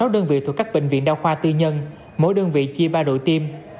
hai mươi sáu đơn vị thuộc các bệnh viện đau khoa tư nhân mỗi đơn vị chia ba đội tiêm